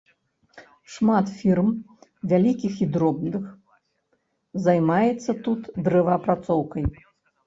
Шмат фірм, вялікіх і дробных, займаецца тут дрэваапрацоўкай.